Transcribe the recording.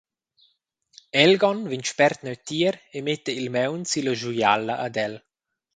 Elgon vegn spert neutier e metta il maun silla schuiala ad el.